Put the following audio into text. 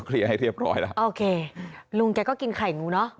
ให้เรียบร้อยแล้วโอเคลุงแกก็กินไข่งูเนอะ